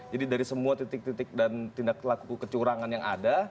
dari semua titik titik dan tindak laku kecurangan yang ada